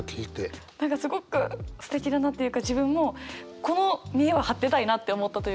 何かすごくすてきだなっていうか自分もこのみえ張ってたいなって思ったっていうか。